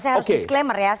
saya harus disclaimer ya